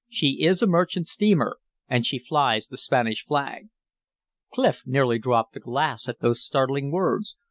"She is a merchant steamer, and she flies the Spanish flag." Clif nearly dropped the glass at those startling words.